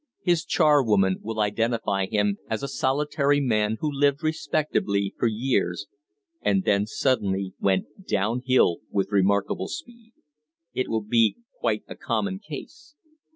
His charwoman will identify him as a solitary man who lived respectably for years and then suddenly went down hill with remarkable speed. It will be quite a common case.